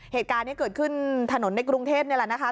เหตุการณ์นี้เกิดขึ้นถนนในกรุงเทพนี่แหละนะคะ